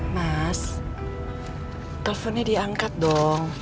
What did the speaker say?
mas teleponnya diangkat dong